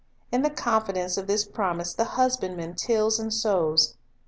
In the confidence of this promise the thc Harvest husbandman tills and sows.